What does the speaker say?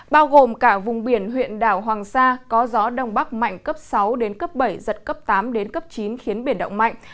bao gồm cả vùng biển huyện đảo hoàng sa có gió đông bắc mạnh cấp sáu đến cấp bảy giật cấp tám đến cấp chín khiến biển động mạnh